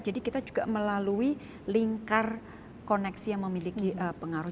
jadi kita juga melalui lingkar koneksi yang memiliki pengaruh